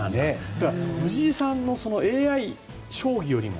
だから藤井さんのＡＩ将棋よりも。